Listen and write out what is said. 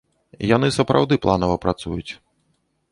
Яны сапраўды планава працуюць.